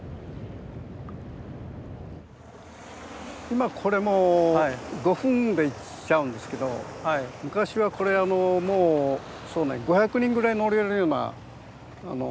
今これもう５分で行っちゃうんですけど昔はこれあのもうそうね５００人ぐらい乗れるようなあの。